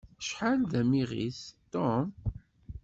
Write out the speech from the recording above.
Acḥal d amiɣis, Tom!